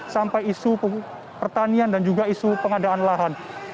sampai isu pertanian dan juga isu pengadaan lahan